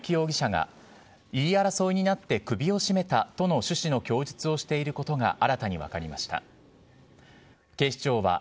捜査関係者によりますと、三幸容疑者が、言い争いになって首を絞めたとの趣旨の供述をしていることが新たに分かりました。